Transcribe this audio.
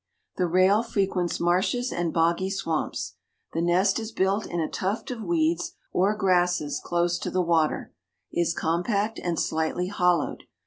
The rail frequents marshes and boggy swamps. The nest is built in a tuft of weeds or grasses close to the water, is compact and slightly hollowed.